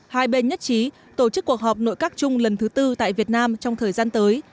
hai bên nhất trí tổ chức cuộc họp nội các chung lần thứ tư tại việt nam trong thời gian tới